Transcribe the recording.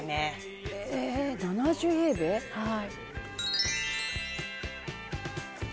「はい」